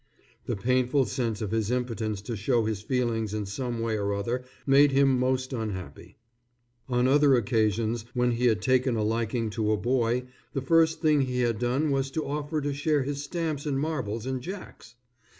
The painful sense of his impotence to show his feelings in some way or other made him most unhappy. On other occasions, when he had taken a liking for a boy, the first thing he had done was to offer to share his stamps and marbles and jacks.